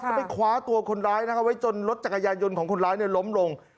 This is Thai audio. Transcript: ไปคว้าตัวคนร้ายนะครับไว้จนรถจักรยายยนต์ของคนร้ายล้มลง